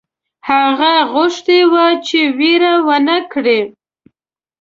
هغه غوښتي وه چې وېره ونه کړي.